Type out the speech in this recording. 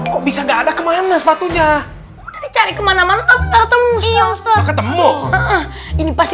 kok bisa enggak ada kemana sepatunya cari kemana mana tembus tembus ini pasti